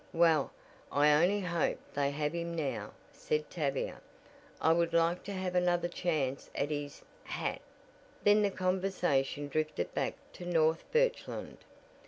"Well, I only hope they have him now," said Tavia, "I would like to have another chance at his hat." Then the conversation drifted back to North Birchland.